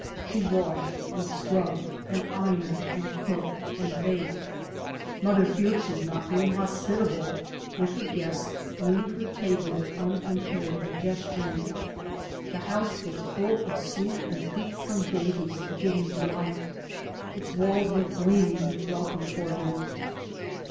She washed and scrubbed and ironed and cooked and baked. Mother feels she's not being hospitable if her guests leave her table with unimpaired digestion. The bouse was full of sweet and toothsome dain ties to ffvc him delight ; its walls were gleam ing with welcome for him.